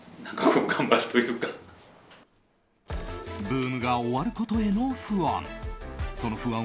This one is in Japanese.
ブームが終わることへの不安。